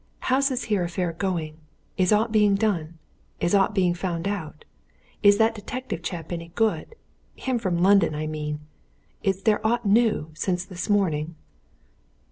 How's this here affair going? Is aught being done? Is aught being found out? Is that detective chap any good? him from London, I mean. Is there aught new since this morning?"